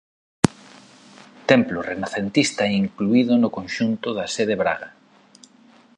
Templo renacentista incluído no conxunto da Sé de Braga.